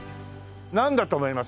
なんだと思います？